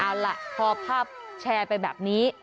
เอาล่ะพอภาพแชร์ไปแบบนี้